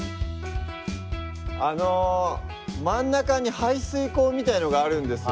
あの真ん中に排水溝みたいのがあるんですよ。